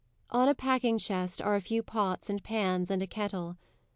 On a packing chest are a few pots and pans and a kettle.